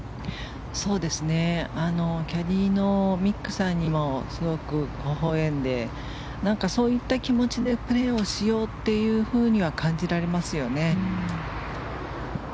キャディーのミックさんにもすごく、ほほ笑んでそういった気持ちでプレーをしようというふうには感じられますよね。